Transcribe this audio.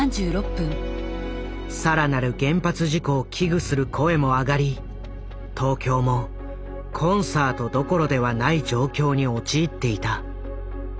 更なる原発事故を危惧する声も上がり東京もコンサートどころではない状況に陥っていた。